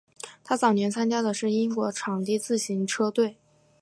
他早年参加的是英国场地自行车队。